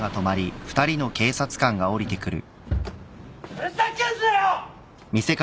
ふざけんなよ！